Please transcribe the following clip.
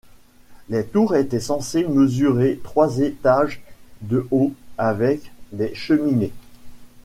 Les tours étaient censées mesurer trois étages de haut, avec des cheminées.